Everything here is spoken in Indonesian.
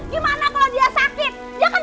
gimana kalau dia sakit